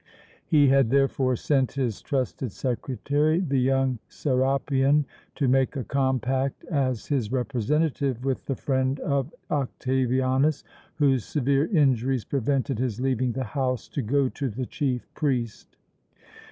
He had therefore sent his trusted secretary, the young Serapion, to make a compact as his representative with the friend of Octavianus, whose severe injuries prevented his leaving the house to go to the chief priest.